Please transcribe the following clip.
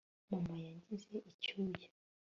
mama yangize icyuya